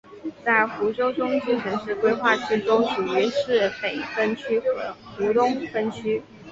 在湖州中心城市规划区中属于市北分区和湖东分区。